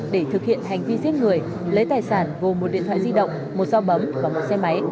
để thực hiện hành vi giết người lấy tài sản gồm một điện thoại di động một sao bấm và một xe máy